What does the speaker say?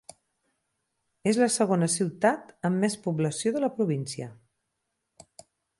És la segona ciutat amb més població de la província.